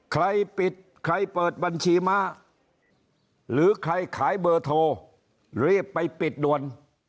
ใครปิดใครเปิดบัญชีม้าหรือใครขายเบอร์โทรรีบไปปิดด่วน